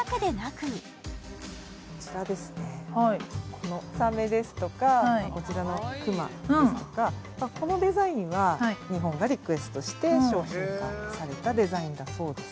このサメですとかこちらのクマですとかこのデザインは日本がリクエストして商品化されたデザインだそうです